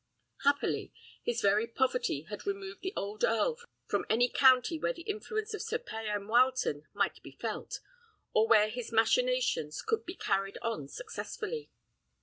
Happily, his very poverty had removed the old earl from any county where the influence of Sir Payan Wileton might be felt, or where his machinations could be carried on successfully.